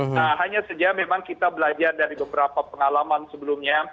nah hanya saja memang kita belajar dari beberapa pengalaman sebelumnya